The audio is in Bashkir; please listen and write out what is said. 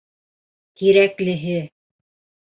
Тирәклеһе.